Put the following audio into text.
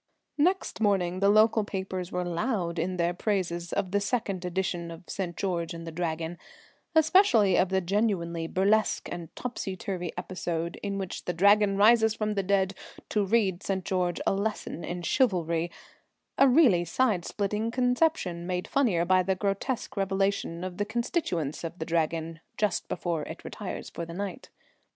Next morning the local papers were loud in their praises of the "Second Edition" of St. George and the Dragon, especially of the "genuinely burlesque and topsy turvy episode in which the Dragon rises from the dead to read St. George a lesson in chivalry; a really side splitting conception, made funnier by the grotesque revelation of the constituents of the Dragon, just before it retires for the night."